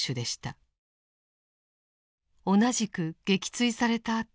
同じく撃墜されたあと